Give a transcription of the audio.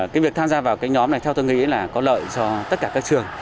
cái việc tham gia vào cái nhóm này theo tôi nghĩ là có lợi cho tất cả các trường